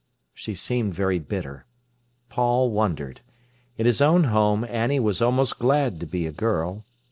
She seemed very bitter. Paul wondered. In his own home Annie was almost glad to be a girl.